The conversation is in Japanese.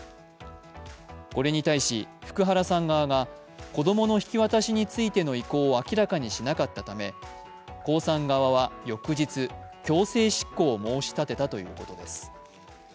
これに対し、福原さん側が子供の引き渡しについての意向を明らかにしなかったため江さん側は翌日、強制執行を申し立てたということです。